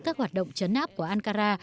các hoạt động chấn áp của ankara